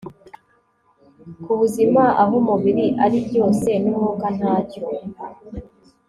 kubuzima aho umubiri ari byose numwuka ntacyo